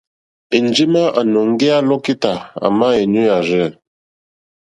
Enjema a nɔ̀ŋgeya lokità, àma è nyoò yàrzɛ.